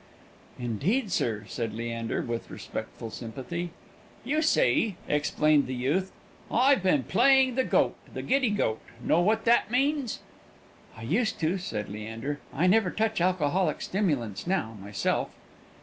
"Indeed, sir!" said Leander, with respectful sympathy. "You see," explained the youth, "I've been playing the goat the giddy goat. Know what that means?" "I used to," said Leander; "I never touch alcoholic stimulants now, myself."